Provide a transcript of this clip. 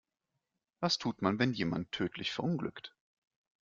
Was tut man, wenn jemand tödlich verunglückt?